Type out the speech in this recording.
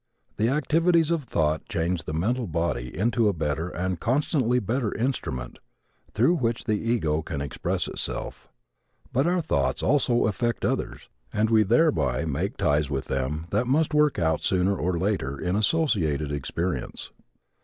The activities of thought change the mental body into a better and constantly better instrument through which the ego can express itself. But our thoughts also affect others and we thereby make ties with them that must work out sooner or later in associated experience.